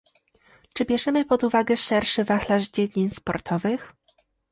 Czy bierzemy pod uwagę szerszy wachlarz dziedzin sportowych?